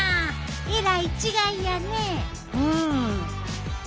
えらい違いやね。